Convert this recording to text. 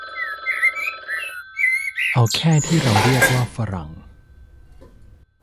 เอาแค่ที่เราเรียกว่า ฝรั่ง